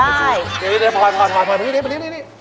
เดี๋ยวพอคงมานี้